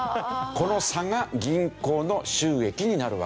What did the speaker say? この差が銀行の収益になるわけですよ。